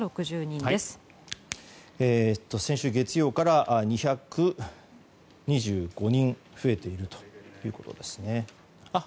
先週月曜から２２５人増えているということですね。